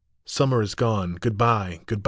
Summer is gone. Good by ! good by